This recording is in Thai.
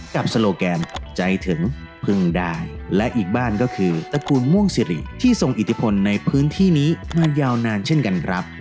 โซโลแกนใจถึงพึ่งได้และอีกบ้านก็คือตระกูลม่วงสิริที่ทรงอิทธิพลในพื้นที่นี้มายาวนานเช่นกันครับ